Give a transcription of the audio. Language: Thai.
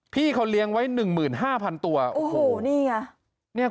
พี่เขาเลี้ยงไว้๑๕๐๐๐ตัวโอ้โหนี่ไง